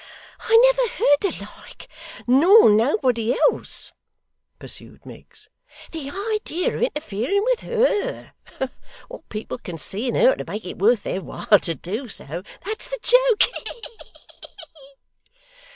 'I never heard the like, nor nobody else,' pursued Miggs. 'The idea of interfering with HER. What people can see in her to make it worth their while to do so, that's the joke he he he!